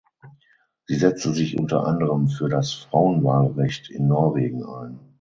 Sie setzte sich unter anderem für das Frauenwahlrecht in Norwegen ein.